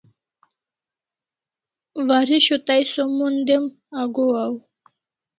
Waresho tai som mon dem agohaw